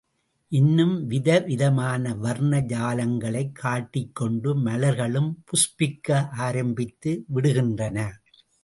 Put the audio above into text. இன்னும் வித விதமான வர்ண ஜாலங்களைக் காட்டிக் கொண்டு மலர்களும் புஷ்பிக்க ஆரம்பித்து விடுகின்றன.